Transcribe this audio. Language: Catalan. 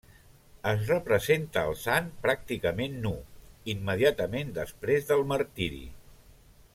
Es representa al sant pràcticament nu, immediatament després del martiri.